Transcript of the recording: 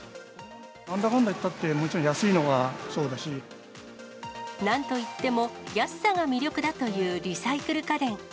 なんだかんだ言ったって、なんといっても、安さが魅力だというリサイクル家電。